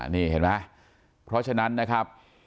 นี่เห็นไหมเพราะฉะนั้นนะครับ